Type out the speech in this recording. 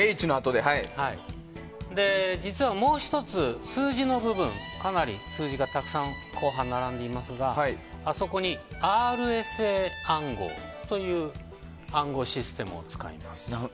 実はもう１つ、数字の部分かなり数字がたくさん後半に並んでいますがあそこにＲＳＡ暗号という暗号システムを使います。